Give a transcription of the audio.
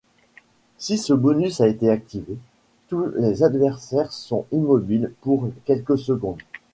Si ce bonus a été activé, tous les adversaires sont immobiles pour quelques secondes.